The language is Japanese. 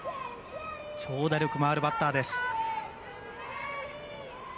長打力もあるバッターです。